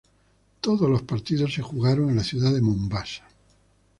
Todos los partido se jugaron en la ciudad de Mombasa.